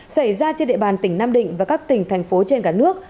xảy ra trên địa bàn tỉnh nam định và các tỉnh thành phố trên cả nước